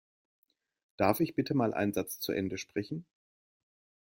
Darf ich bitte mal einen Satz zu Ende sprechen?